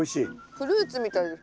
フルーツみたいです。